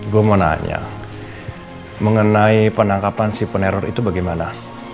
gue mau nanya mengenai penangkapan si penerror itu bagaimana